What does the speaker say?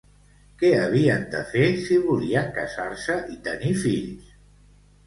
Què havien de fer, si volien casar-se i tenir fills?